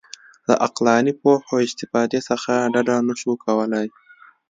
د عقلاني پوهو استفادې څخه ډډه نه شو کولای.